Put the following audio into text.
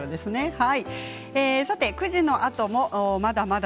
９時のあともまだまだ